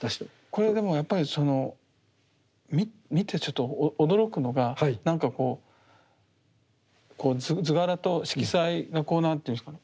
これでもやっぱりその見てちょっと驚くのがなんかこう図柄と色彩がこう何ていうんですかね。